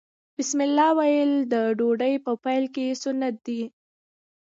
بسم الله ویل د ډوډۍ په پیل کې سنت دي.